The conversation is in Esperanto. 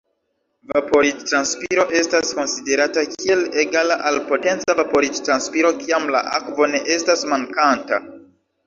Vaporiĝ-transpiro estas konsiderata kiel egala al potenca vaporiĝ-transpiro kiam la akvo ne estas mankanta.